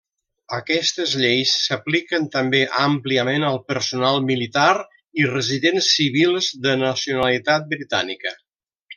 Aquestes lleis s'apliquen també àmpliament al personal militar i residents civils de nacionalitat britànica.